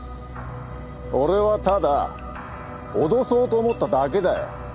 俺はただ脅そうと思っただけだよ。